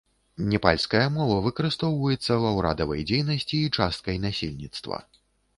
Непальская мова выкарыстоўваецца ва ўрадавай дзейнасці і часткай насельніцтва.